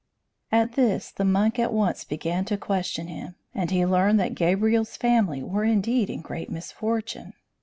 At this the monk at once began to question him, and learned that Gabriel's family were indeed in great misfortune.